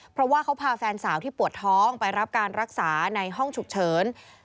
เพราะว่าเขาพาแฟนสาวที่ปวดท้องไปรับการรักษาในห้องฉุกเฉิน